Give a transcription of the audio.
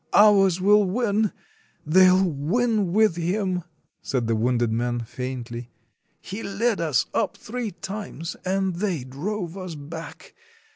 Ours will win ... they'll win with him," said the wounded man faintly. "He led us up three times, and they drove us back.